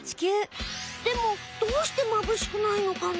でもどうしてまぶしくないのかな？